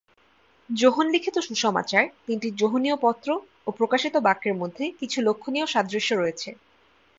যোহন লিখিত সুসমাচার, তিনটি যোহনীয় পত্র ও প্রকাশিত বাক্যের মধ্যে কিছু লক্ষণীয় সাদৃশ্য রয়েছে।